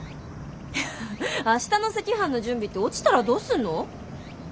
明日の赤飯の準備って落ちたらどうすんの？